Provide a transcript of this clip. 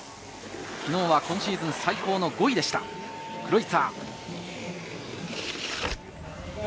昨日は今シーズン最高の５位でした、クロイツァー。